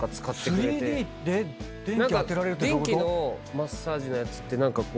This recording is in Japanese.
電気のマッサージのやつって何かこう。